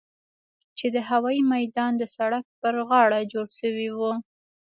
چې د هوايي ميدان د سړک پر غاړه جوړ سوي وو.